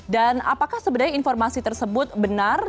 dan apakah sebenarnya informasi tersebut benar